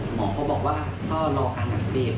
หมอเขาบอกว่าเขารอการหักเสพ